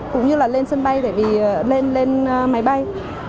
cũng như là lên sân bay lên máy bay